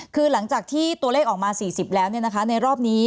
คือหลังจากที่ตัวเลขออกมา๔๐แล้วในรอบนี้